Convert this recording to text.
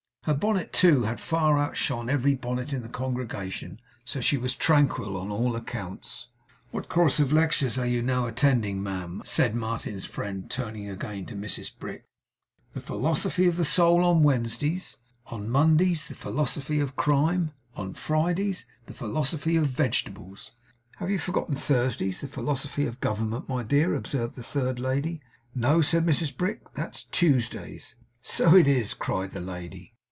Her bonnet, too, had far outshone every bonnet in the congregation; so she was tranquil on all accounts. 'What course of lectures are you attending now, ma'am?' said Martin's friend, turning again to Mrs Brick. 'The Philosophy of the Soul, on Wednesdays.' 'On Mondays?' 'The Philosophy of Crime.' 'On Fridays?' 'The Philosophy of Vegetables.' 'You have forgotten Thursdays; the Philosophy of Government, my dear,' observed the third lady. 'No,' said Mrs Brick. 'That's Tuesdays.' 'So it is!' cried the lady.